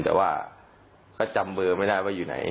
แต่ว่าเขาจำเบอร์ไม่ได้ว่าอยู่ไหน